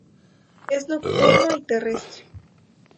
Es nocturno y terrestre.